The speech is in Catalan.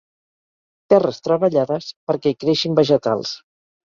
Terres treballades perquè hi creixin vegetals.